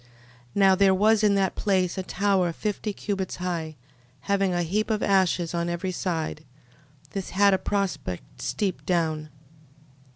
13:5. Now there was in that place a tower fifty cubits high, having a heap of ashes on every side: this had a prospect steep down.